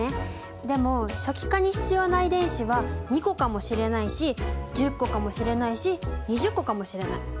でも初期化に必要な遺伝子は２個かもしれないし１０個かもしれないし２０個かもしれない。